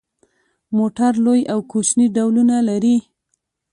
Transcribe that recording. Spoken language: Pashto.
موټر لوی او کوچني ډولونه لري.